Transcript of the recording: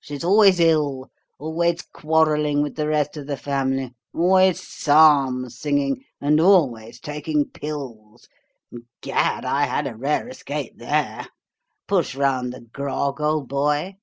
She's always ill; always quarrelling with the rest of the family; always psalm singing, and always taking pills. Gad, I had a rare escape THERE. Push round the grog, old boy.'